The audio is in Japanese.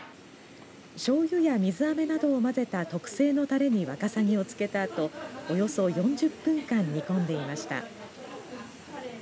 しょうゆや水あめなどを混ぜた特製のたれにわかさぎをつけたあとおよそ４０分間煮込んでいました。